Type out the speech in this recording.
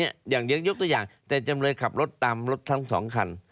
ยกตัวอย่างแต่จำเลยขับรถตามรถทั้งสองคัน